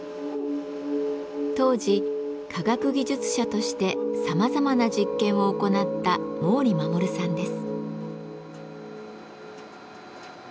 当時科学技術者としてさまざまな実験を行った毛利衛さんです。